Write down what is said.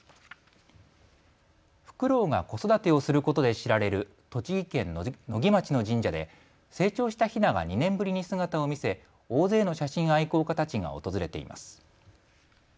フクロウが子育てをすることで知られる栃木県野木町の神社で成長したヒナが２年ぶりに姿を見せ大勢の写真愛好家たちが訪れています。